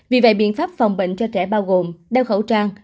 vì vậy biện pháp phòng bệnh cho trẻ bao gồm đeo khẩu trang